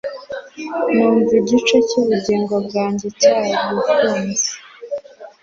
Numva ko igice cyubugingo bwanjye cyagukunze